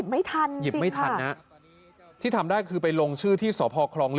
มันหยิบไม่ทันจริงค่ะอันนี้จริง